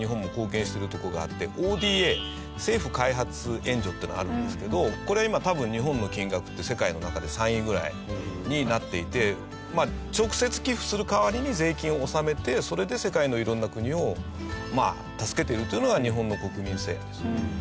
ＯＤＡ政府開発援助っていうのがあるんですけどこれは今多分日本の金額って世界の中で３位ぐらいになっていて直接寄付する代わりに税金を納めてそれで世界の色んな国を助けているというのが日本の国民性です。